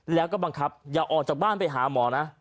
แล้วก็บังคับอย่าออกจากบ้านไปหาหมอนะ